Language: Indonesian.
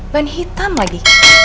ban hitam lagi